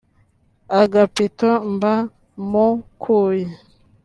Agapito Mba Mokuy